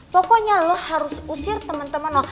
pokoknya lo harus usir temen temen lo